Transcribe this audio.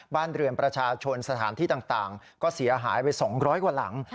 บ้านเรือนประชาชนสถานที่ต่างก็เสียหายไป๒๐๐กว่าหลัง